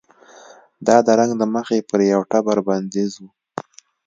دا د رنګ له مخې پر یوه ټبر بندیز و.